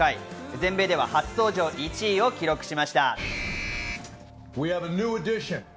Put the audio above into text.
全米では初登場１位を記録しました。